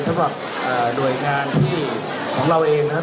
สำหรับหน่วยงานที่ของเราเองนะครับ